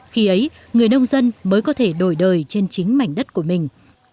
khi ấy người nông dân mới có thể đổi đời trên chính mảnh đất của mình